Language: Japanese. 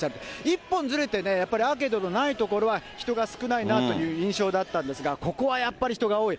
一本ずれてね、やっぱりアーケードのない所は人は少ないなという印象だったんですが、ここはやっぱり人が多い。